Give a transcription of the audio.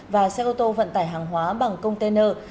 và xe ô tô vận tải hàng hóa bằng container